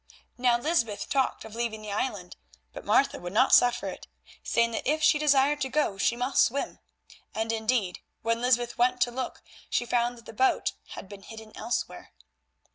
Now Lysbeth talked of leaving the island, but Martha would not suffer it, saying that if she desired to go she must swim, and indeed when Lysbeth went to look she found that the boat had been hidden elsewhere.